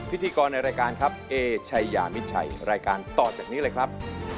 พี่ยามิจฉัยรายการต่อจากนี้เลยครับ